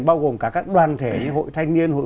bao gồm cả các đoàn thể như hội thanh niên hội